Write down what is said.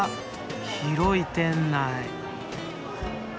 広い店内。